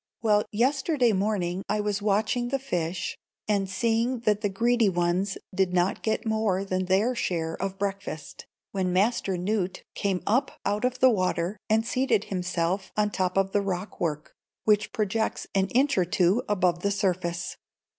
Well, yesterday morning I was watching the fish, and seeing that the greedy ones did not get more than their share of breakfast, when Master Newt came up out of the water and seated himself on the top of the rock work, which projects an inch or two above the surface.